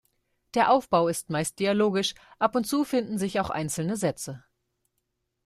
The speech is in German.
Der Aufbau ist meist dialogisch, ab und zu finden sich auch einzelne Sätze.